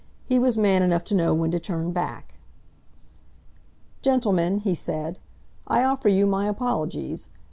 He was man enough to know when to turn back. "Gentlemen," he said, "I offer you my apologies.